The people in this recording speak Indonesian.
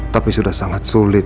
tapi sudah sangat sulit